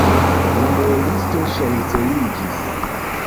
La muelisto ŝanceliĝis.